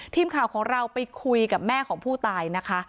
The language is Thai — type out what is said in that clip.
ทีมข่าวของเราไปคุยกับแม่ของผู้ตายนะคะ